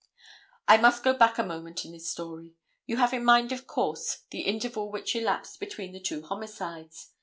I must go back a moment in this story. You have in mind, of course, the interval which elapsed between the two homicides.